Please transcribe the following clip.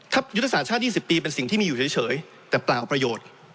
ยุทธศาสตร์ชาติ๒๐ปีเป็นสิ่งที่มีอยู่เฉยแต่เปล่าประโยชน์